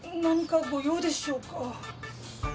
何かご用でしょうか？